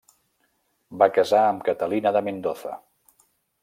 Va casar amb Catalina de Mendoza.